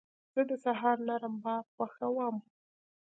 زه د سهار نرم باد خوښوم.